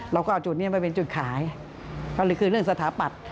เราก็เอาจุดนี้ไปเป็นจุดขายก็เลยคือเรื่องสถาปัตย